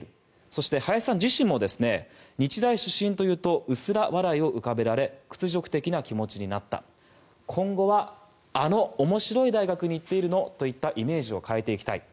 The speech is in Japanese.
そして林さん自身も日大出身というと薄ら笑いを浮かべられ屈辱的な気持ちになった今後はあの面白い大学に行っているの？といったイメージを変えていきたい。